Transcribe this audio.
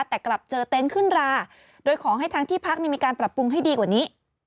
แต่กลับเจอเต็นต์ขึ้นราโดยขอให้ทางที่พักมีการปรับปรุงให้ดีกว่านี้